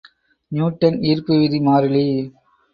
Newton ஈர்ப்பு விதி மாறிலி.